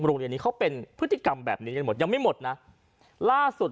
โรงเรียนนี้เขาเป็นพฤติกรรมแบบนี้กันหมดยังไม่หมดนะล่าสุด